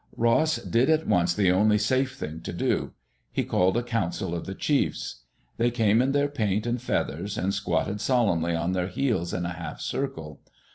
Ross did at once the only safe thing to do. He called a council of the chiefs. They came in their paint and feathers, and squatted solemnly on their heels in a half circle.